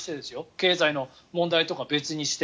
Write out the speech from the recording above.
経済の問題とか別にして。